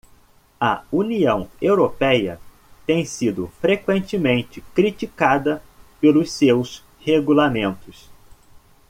A União Europeia tem sido frequentemente criticada pelos seus regulamentos.